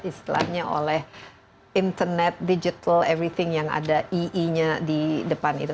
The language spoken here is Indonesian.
istilahnya oleh internet digital everything yang ada ie nya di depan itu